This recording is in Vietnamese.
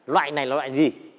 loại này là loại gì